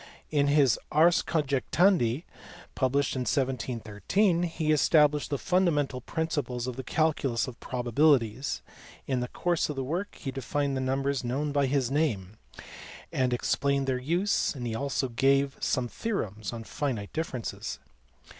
In. his Ars Conjectandi, published in 1713, he established the fundamental principles of the calculus of pro babilities ; in the course of the work he defined the numbers known by his name* and explained their use, he also gave some theorems on finite differences.